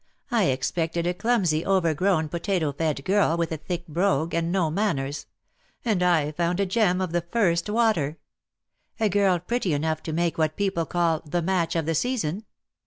I expected a clumsy, over grown, potato fed girl, with a thick brogue, and no manners; and I found a gem of the first water: a girl pretty enough to make what people call 'the match of the season.'